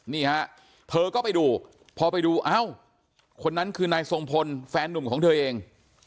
นี่ฮะเธอก็ไปดูพอไปดูเอ้าคนนั้นคือนายทรงพลแฟนนุ่มของเธอเอง